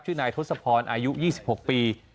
ชื่อนายทศพรอายุ๒๖ปี